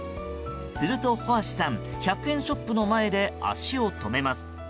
すると、帆足さん１００円ショップの前で足を止めます。